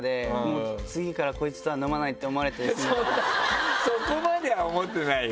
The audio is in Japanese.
そんなそこまでは思ってないよ